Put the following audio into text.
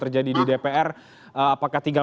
terjadi di dpr apakah tinggal